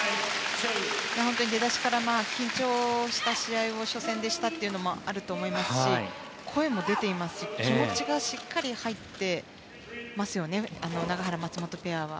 出だしから緊張した試合を初戦でしたというのもあると思いますし声も出ていますし気持ちがしっかり入っています永原、松本ペアは。